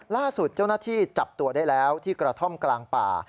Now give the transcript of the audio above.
ล่าสุดเจ้าหน้าที่จับตัวได้แล้วที่กระท่อมกลางป่า